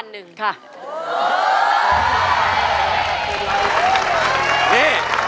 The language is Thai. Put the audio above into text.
นี่